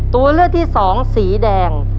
ตัวเลือกที่สองสีแดง